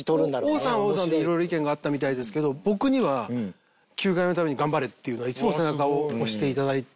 王さんは王さんでいろいろ意見があったみたいですけど僕には「球界のために頑張れ！」っていうのはいつも背中を押していただいて。